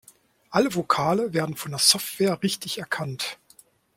Alle Vokale werden von der Software richtig erkannt.